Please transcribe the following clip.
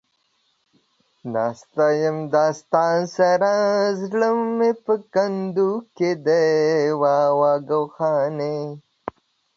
ناسته يمه ستا سره ، زړه مې په کندو کې دى ، واوا گوخانې.